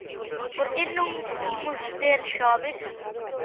Porque non imos ter xoves.